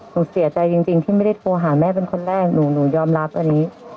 หนูเสียใจจริงที่ไม่ได้โทรหาแม่เป็นคนแรกหนูยอมรับอันนี้